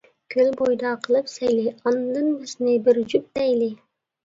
كۆل بويىدا قىلىپ سەيلى، ئاندىن بىزنى بىر جۈپ دەيلى.